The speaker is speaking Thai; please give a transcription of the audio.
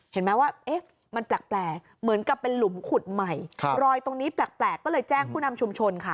เห็นไหมว่ามันแปลกเหมือนกับเป็นหลุมขุดใหม่รอยตรงนี้แปลกก็เลยแจ้งผู้นำชุมชนค่ะ